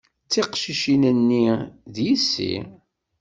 Tiqcicin-nni, d yessi.